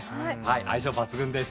相性抜群です。